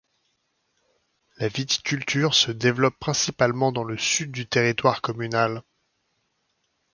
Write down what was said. La viticulture se développe principalement dans le sud du territoire communal.